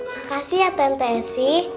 makasih ya tante esi